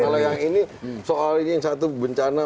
kalau yang ini soal ini yang satu bencana